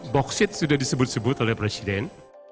bauksit sudah disebut sebut oleh presiden